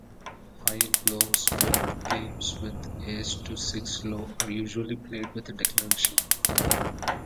High-low split games with ace-to-six low are usually played with a declaration.